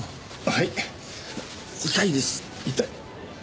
はい。